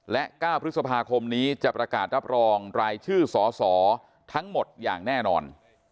และ๙พฤษภาคมนี้จะประกาศรับรองรายชื่อสสทั้งหมดอย่างแน่นอน